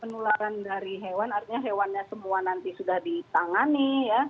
penularan dari hewan artinya hewannya semua nanti sudah ditangani ya